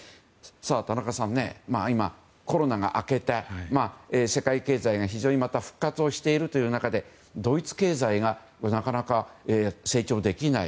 田中さん、コロナが明けて世界経済が非常に復活しているという中でドイツ経済がなかなか成長できない。